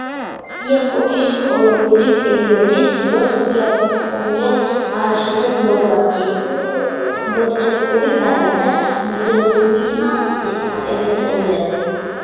იაპონიის კოლონიური პერიოდის დროს, იაპონიამ ააშენა ზოოპარკი, ბოტანიკური ბაღი და მუზეუმი ტერიტორიაზე.